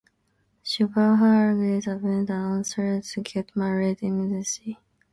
Shubhra urges Abhijit and Asawari to get married immediately.